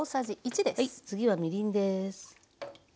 次はみりんです。